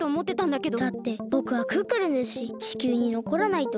だってぼくはクックルンですし地球にのこらないと。